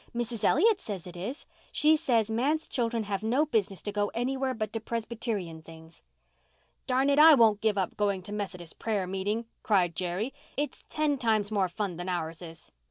"Mrs. Elliott says it is, She says manse children have no business to go anywhere but to Presbyterian things." "Darn it, I won't give up going to the Methodist prayer meeting," cried Jerry. "It's ten times more fun than ours is."